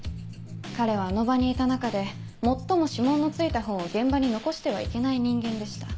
彼はあの場にいた中で最も指紋のついた本を現場に残してはいけない人間でした。